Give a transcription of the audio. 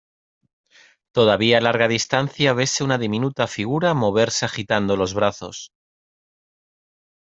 todavía a larga distancia vese una diminuta figura moverse agitando los brazos